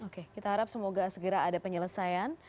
oke kita harap semoga segera ada penyelesaian